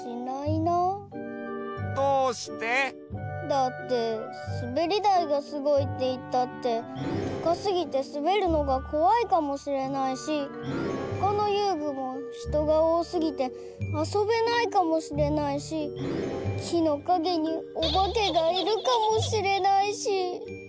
だってすべりだいがすごいっていったってたかすぎてすべるのがこわいかもしれないしほかのゆうぐもひとがおおすぎてあそべないかもしれないしきのかげにおばけがいるかもしれないし。